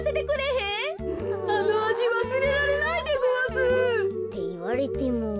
あのあじわすれられないでごわす。っていわれても。